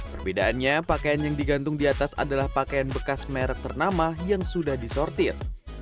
perbedaannya pakaian yang digantung di atas adalah pakaian bekas merek ternama yang sudah disortir